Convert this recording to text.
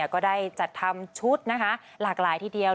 ก็ได้จัดทำชุดนะคะหลากหลายทีเดียว